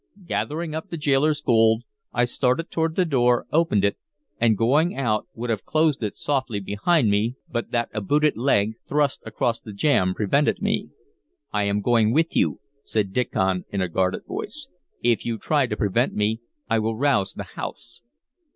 Gathering up the gaoler's gold I started toward the door, opened it, and going out would have closed it softly behind me but that a booted leg thrust across the jamb prevented me. "I am going with you," said Diccon in a guarded voice. "If you try to prevent me, I will rouse the house."